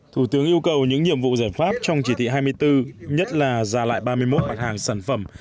thủ tướng yêu cầu những nhiệm vụ giải pháp trong chỉ thị hai mươi bốn nhất là giả lại ba mươi một mặt hàng sản phẩm